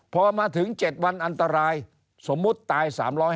พอมาถึง๗วันอันตรายสมมุติตาย๓๕